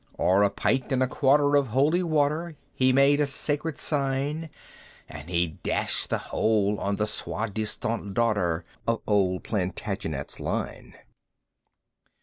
O'er a pint and a quarter of holy water, He made a sacred sign; And he dashed the whole on the soi disant daughter Of old Plantagenet's line!